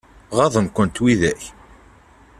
Ɣaḍen-kent widak?